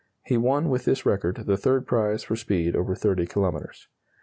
(He won with this record the third prize for speed over 30 kilometres.)